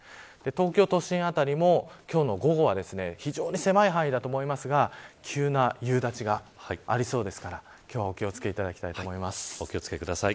東京都心辺りも今日の午後は非常に狭い範囲だと思いますが急な夕立がありそうですから今日はお気を付けいただきたいと思います。